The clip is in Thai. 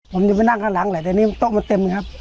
ผมจะไปนั่งข้างหลังแหละแต่นี่โต๊ะมันเต็มครับ